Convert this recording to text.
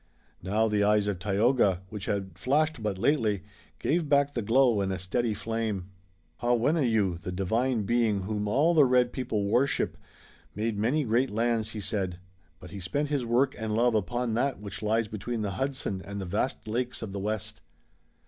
Now the eyes of Tayoga, which had flashed but lately, gave back the glow in a steady flame. "Hawenneyu, the Divine Being whom all the red people worship, made many great lands," he said, "but he spent his work and love upon that which lies between the Hudson and the vast lakes of the west.